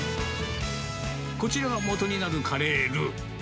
こちらが元になるカレールー。